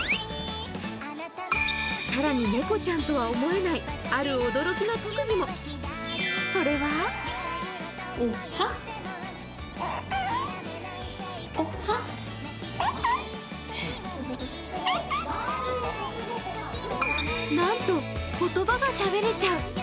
更に猫ちゃんとは思えないある驚きの特技も、それはなんと、言葉がしゃべれちゃう。